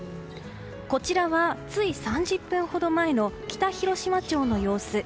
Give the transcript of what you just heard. こちらはつい３０分ほど前の北広島町の様子。